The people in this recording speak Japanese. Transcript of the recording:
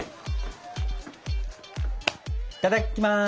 いただきます！